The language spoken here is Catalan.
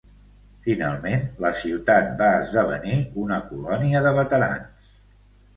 Finalment, la ciutat va esdevenir una colònia de veterans.